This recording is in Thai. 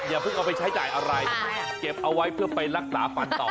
อย่าเพิ่งเอาไปใช้จ่ายอะไรเก็บเอาไว้เพื่อไปรักษาฟันต่อ